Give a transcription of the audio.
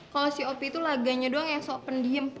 kalo si opie laganya doang yang sopen diem